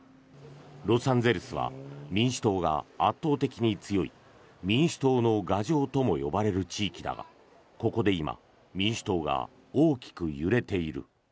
ロサンゼルスは民主党が圧倒的に強い民主党の牙城とも呼ばれる地域だがここで今、民主党が大きく揺れている。